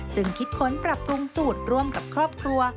คิดค้นปรับปรุงสูตรร่วมกับครอบครัว